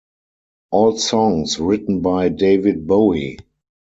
All songs written by David Bowie.